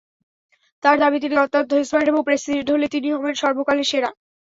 তাঁর দাবি, তিনি অত্যন্ত স্মার্ট এবং প্রেসিডেন্ট হলে তিনি হবেন সর্বকালের সেরা।